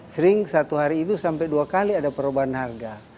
sering satu hari itu sampai dua kali ada perubahan harga